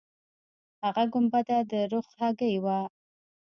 هغه ګنبده د رخ هګۍ وه.